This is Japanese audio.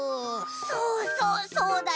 そうそうそうだよね！